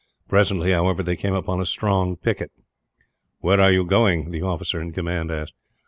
Presently, however, they came upon a strong picket. "Where are you going?" the officer in command asked.